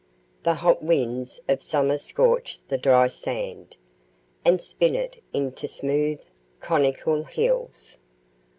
The hot winds of summer scorch the dry sand, and spin it into smooth, conical hills.